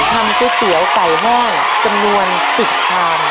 ก๋วยเตี๋ยวไก่แห้งจำนวน๑๐ชาม